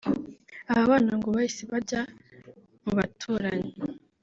Aba bana ngo bahise bajya mu baturanyi